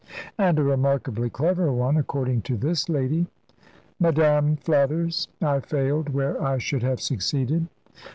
"And a remarkably clever one, according to this lady." "Madame flatters. I failed, where I should have succeeded."